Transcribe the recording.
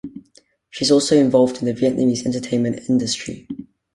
She's also involved in the Vietnamese Entertainment industry.